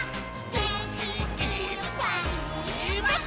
「げんきいっぱいもっと」